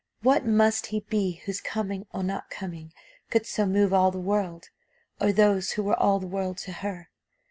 What must he be whose coming or not coming could so move all the world, or those who were all the world to her?